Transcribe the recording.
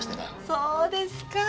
そうですか。